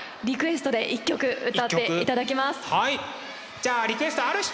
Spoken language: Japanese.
じゃあリクエストある人？